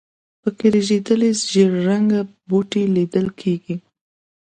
په کې رژېدلي زېړ رنګه بوټي لیدل کېږي.